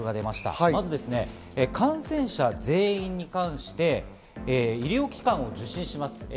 まず感染者全員に関して医療機関を受診します。